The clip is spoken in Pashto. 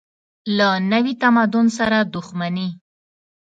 له نوي تمدن سره دښمني.